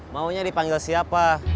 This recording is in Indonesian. maunya dipanggil siapa